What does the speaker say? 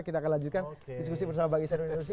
kita akan lanjutkan diskusi bersama bang iksan di indonesia